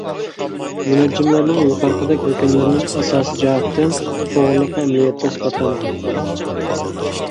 مۇنەججىملەرنىڭ يۇقىرىقىدەك ھۆكۈملىرىنىڭ ئاساسىي جەھەتتىن توغرىلىقى ئەمەلىيەتتە ئىسپاتلانغان.